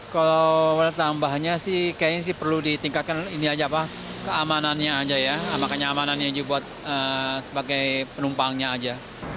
kalau bertambahnya sih kayaknya sih perlu ditingkatkan ini aja pak keamanannya aja ya makanya amanannya aja buat sebagai penumpangnya aja